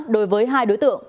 đối với hai đối tượng